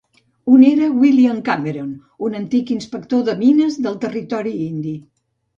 Un era William Cameron, un antic inspector de mines del territori indi.